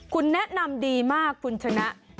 คุณแนะนำดีมากคุณชนะ